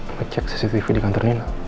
ngecek cctv di kantor nina